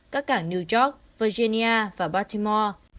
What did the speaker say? các cảng new york virginia và baltimore